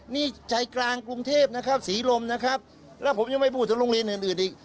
นี่ใจกลางกรุงเทพนะครับศรีลมนะครับแล้วผมยังไม่พูดถึงโรงเรียนอื่นอื่นอีก